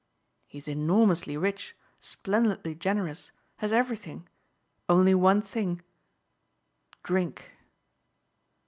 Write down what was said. "He's enormously rich, splendidly generous, has everything. Only one thing drink."